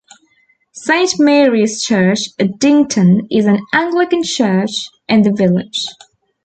Saint Mary's Church, Addington is an Anglican church in the village.